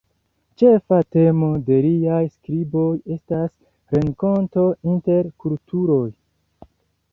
Ĉefa temo de liaj skriboj estas renkonto inter kulturoj.